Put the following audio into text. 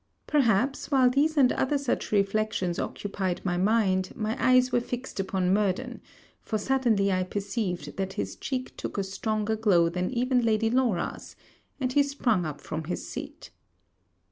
Perhaps, while these and other such reflections occupied my mind, my eyes were fixed upon Murden, for suddenly I perceived that his cheek took a stronger glow than even Lady Laura's; and he sprang up from his seat.